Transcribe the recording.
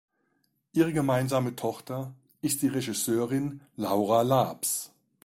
Ihre gemeinsame Tochter ist die Regisseurin Laura Laabs.